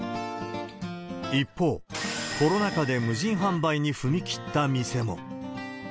一方、コロナ禍で無人販売に踏み切った店も。